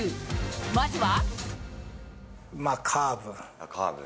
まずは。